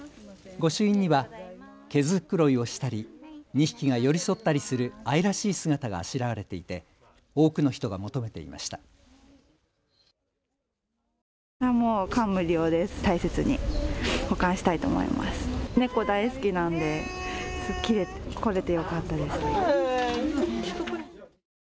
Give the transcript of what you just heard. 御朱印には毛繕いをしたり２匹が寄り添ったりする愛らしい姿があしらわれていて多くの人が求めていました。